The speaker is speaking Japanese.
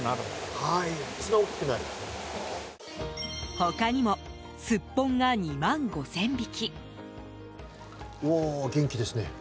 他にもスッポンが２万５０００匹。